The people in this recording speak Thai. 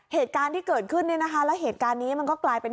เหตุการณ์ที่เกิดขึ้นเนี่ยนะคะแล้วเหตุการณ์นี้มันก็กลายเป็น